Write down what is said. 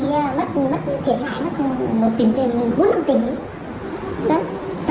hôm nào không trúng thì nó bảo thanh tra